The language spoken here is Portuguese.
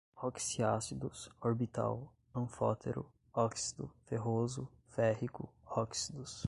oxiácidos, orbital, anfótero, óxido, ferroso, férrico, óxidos